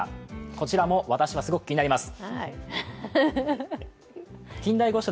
こちらも私はすごく気になります。